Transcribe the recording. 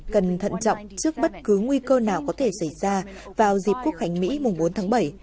cần thận trọng trước bất cứ nguy cơ nào có thể xảy ra vào dịp quốc hành mỹ mùng bốn tháng bảy